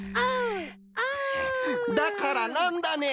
だから何だね？